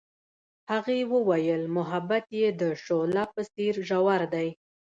هغې وویل محبت یې د شعله په څېر ژور دی.